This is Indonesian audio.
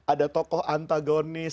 ada tokoh antagonis